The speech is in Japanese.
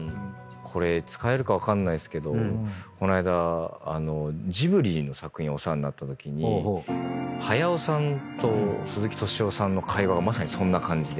これ使えるか分かんないっすけどこの間ジブリの作品お世話になったときに駿さんと鈴木敏夫さんの会話がまさにそんな感じで。